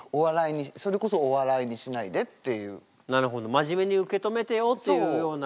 真面目に受け止めてよっていうような。